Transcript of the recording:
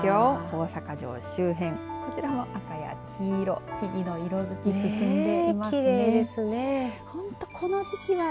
大阪城周辺、こちらも赤や黄色木々の色づき進んでいますね。ね。